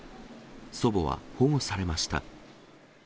祖母は保護されました。